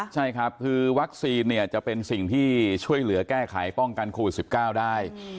ใช่ครับคือวัคซีนเนี่ยจะเป็นสิ่งที่ช่วยเหลือแก้ไขป้องกันโควิด๑๙ได้